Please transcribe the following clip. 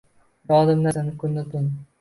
Yonimdasiz kunu-tun